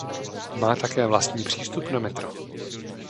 Má také vlastní přístup na metro.